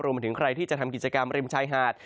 มาถึงใครที่จะทำกิจกรรมริมชายหาด